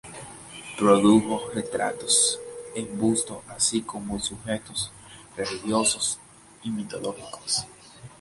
Produjo retratos en busto así como sujetos religiosos y mitológicos.